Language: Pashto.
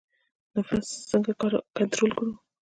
نفس څنګه کنټرول کړو؟